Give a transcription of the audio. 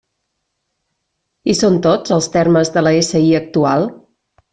Hi són tots, els termes de la SI actual?